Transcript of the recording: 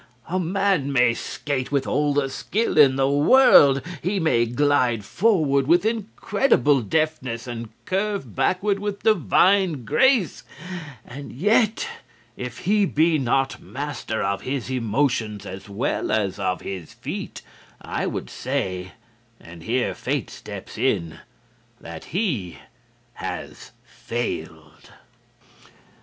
A man may skate with all the skill in the world; he may glide forward with incredible deftness and curve backward with divine grace, and yet if he be not master of his emotions as well as of his feet, I would say and here Fate steps in that he has failed."